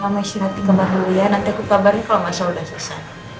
mama istirahat di kembar dulu ya nanti aku kabarin kalau masalah udah selesai